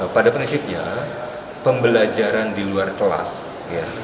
pada prinsipnya pembelajaran di luar kelas ya